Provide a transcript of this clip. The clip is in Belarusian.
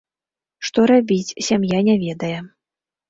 Што рабіць, сям'я не ведае.